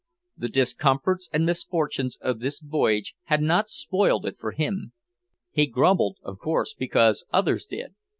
The discomforts and misfortunes of this voyage had not spoiled it for him. He grumbled, of course, because others did.